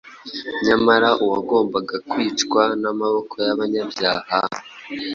Nyamara uwagombaga kwicwa n’amaboko y’abanyabyaha,